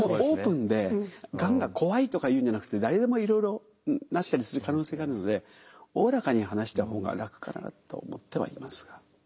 オープンでがんが怖いとかいうんじゃなくて誰でもいろいろなったりする可能性があるのでおおらかに話した方が楽かなと思ってはいますが。